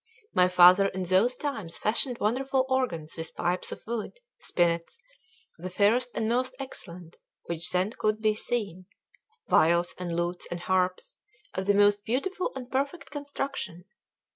My father in those times fashioned wonderful organs with pipes of wood, spinets the fairest and most excellent which then could be seen, viols and lutes and harps of the most beautiful and perfect construction.